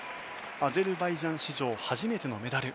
アゼルバイジャン史上初めてのメダル。